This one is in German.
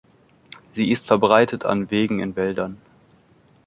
Sie ist verbreitet an Wegen in Wäldern.